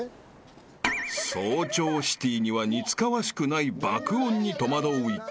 ［早朝シティーには似つかわしくない爆音に戸惑う一行］